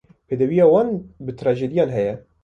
Pêdiviya wan bi trajediyan heye.